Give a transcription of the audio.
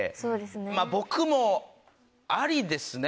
まぁ僕もありですね。